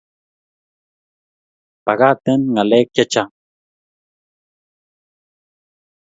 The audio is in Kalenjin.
Pakaten Ngalek che chang